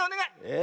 え？